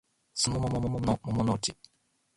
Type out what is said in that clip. すもももももものもものうち